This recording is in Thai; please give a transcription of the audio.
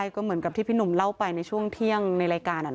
ก็เหมือนกับที่พี่หนุ่มเล่าไปในช่วงเที่ยงในรายการ